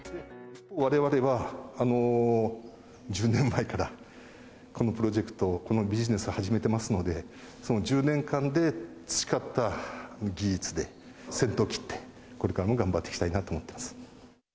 われわれは１０年前からこのプロジェクト、このビジネス始めてますので、その１０年間で培った技術で、先頭を切ってこれからも頑張っていきたいなと思ってます。